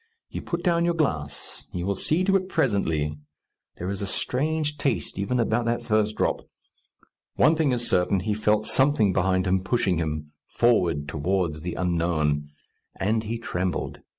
You put down your glass; you will see to it presently; there is a strange taste even about that first drop. One thing is certain: he felt something behind him pushing him, forward towards the unknown. And he trembled.